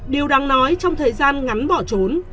điều đáng nói trong thời gian ngắn bỏ trốn